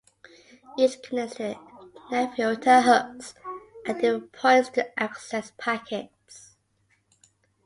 Each connects to the Netfilter hooks at different points to access packets.